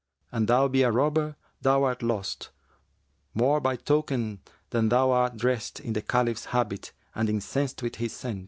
An thou be a robber, thou art lost, more by token that thou art dressed in the Caliph's habit and incensed with his scents.